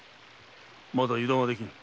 まだ油断はできん。